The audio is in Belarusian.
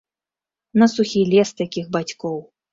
На сухі лес такіх бацькоў.